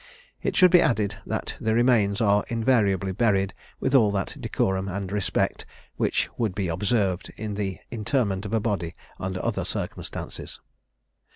It should be added, that the remains are invariably buried with all that decorum and respect, which would be observed in the interment of a body under other circumstances.